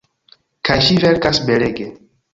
Kaj ŝi verkas belege.